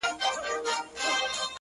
زما د دواړو سترگو’ تورې مه ځه’